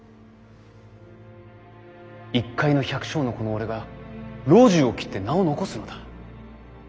一介の百姓のこの俺が老中を斬って名を遺すのだ。